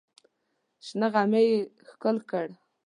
شنه غمی یې ښکل کړ.